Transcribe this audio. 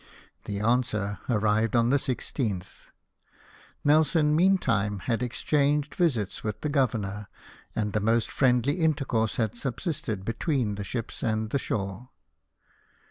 The answer arrived on the 16th. Nelson, mean time, had exchanged visits with the Governor, and the most friendly intercourse had subsisted between the ships and the shore.